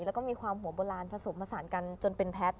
แล้วก็มีความหัวโบราณผสมผสานกันจนเป็นแพทย์